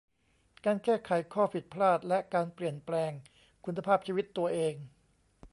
การแก้ไขข้อผิดพลาดและการเปลี่ยนแปลงคุณภาพชีวิตตัวเอง